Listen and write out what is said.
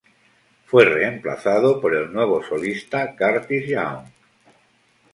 Fue reemplazado por el nuevo solista Curtis Young.